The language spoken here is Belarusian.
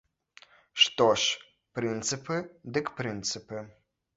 Што ж, прынцыпы дык прынцыпы.